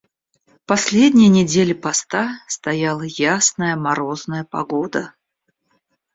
Последние недели поста стояла ясная, морозная погода.